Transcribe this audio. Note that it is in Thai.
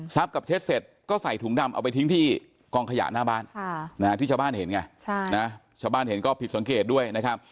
กับเช็ดเสร็จก็ใส่ถุงดำเอาไปทิ้งที่กองขยะหน้าบ้านที่ชาวบ้านเห็นไงชาวบ้านเห็นก็ผิดสังเกตด้วยนะครับ